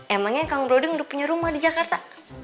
emangnya kang brodeng udah punya rumah di jakarta